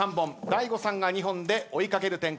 大悟さん２本で追い掛ける展開。